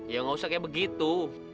ya tidak usah kaya begitu